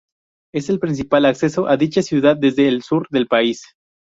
Es el principal acceso a dicha ciudad desde el sur del país.